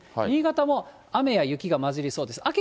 新潟も雨や雪が交じりそうです。